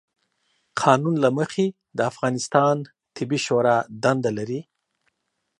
قانون له مخې، د افغانستان طبي شورا دنده لري،